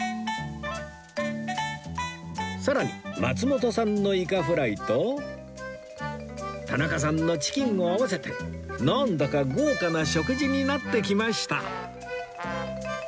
更に松本さんのイカフライと田中さんのチキンを合わせてなんだか豪華な食事になってきました